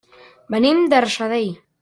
Venim de Rajadell.